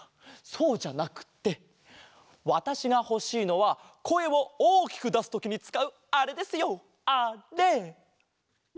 そうじゃなくってわたしがほしいのはこえをおおきくだすときにつかうあれですよあれ！